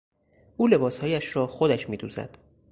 او لباسهایش را خودش میدوزد.